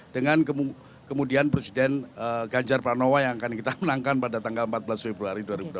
dengan kemudian presiden ganjar pranowo yang akan kita menangkan pada tanggal empat belas februari dua ribu dua puluh